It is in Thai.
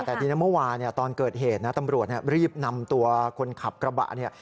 แต่ทีนี้เมื่อวานตอนเกิดเหตุนะตำรวจรีบนำตัวคนขับกระบะเนี่ย